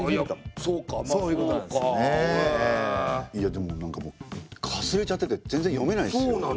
いやでもなんかもうかすれちゃってて全然読めないっすよね。